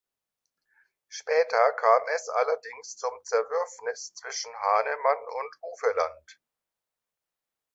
Später kam es allerdings zum Zerwürfnis zwischen Hahnemann und Hufeland.